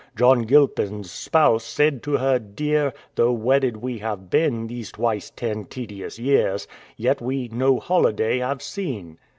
'John Gilpin's spouse said to her dear, Though wedded we have been these twice ten tedious years, yet we no holiday have seen.